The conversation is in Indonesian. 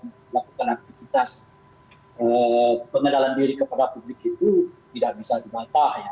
melakukan aktivitas pengenalan diri kepada publik itu tidak bisa dibantah ya